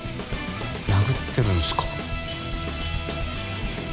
殴ってるんすか？